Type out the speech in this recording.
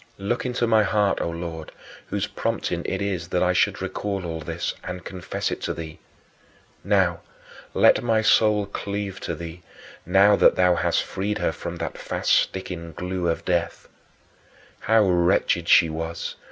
Look into my heart, O Lord, whose prompting it is that I should recall all this, and confess it to thee. Now let my soul cleave to thee, now that thou hast freed her from that fast sticking glue of death. How wretched she was!